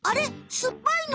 すっぱいの？